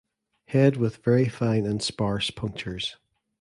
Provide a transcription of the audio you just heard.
Head with very fine and sparse punctures.